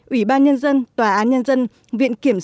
ủy ban nhân dân tòa án nhân dân viện kiểm sát